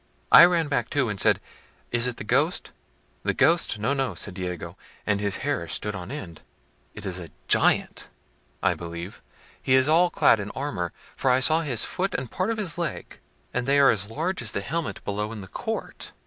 I ran back too, and said, 'Is it the ghost?' 'The ghost! no, no,' said Diego, and his hair stood on end—'it is a giant, I believe; he is all clad in armour, for I saw his foot and part of his leg, and they are as large as the helmet below in the court.